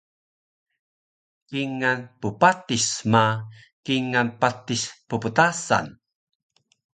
Kingal ppatis ma kingal patis pptasan